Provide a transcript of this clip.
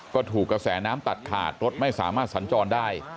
ก็ถูกกระแสน้ำตัดขาดรถไม่สามารถสัญจรได้